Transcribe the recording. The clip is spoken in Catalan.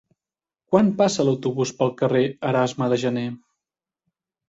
Quan passa l'autobús pel carrer Erasme de Janer?